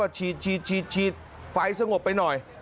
ฉีดไฟสงบไปหน่อย